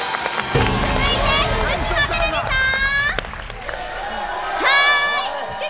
続いて、福島テレビさん。